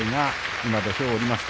今、土俵を下りました。